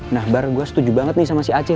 nah bareng gue setuju banget nih sama si acil